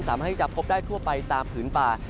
สามารถที่จะพบได้ทั่วไปตามผืนป่า